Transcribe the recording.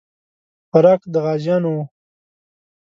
خوراک د غازیانو وو.